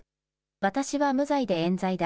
私は無罪でえん罪だ。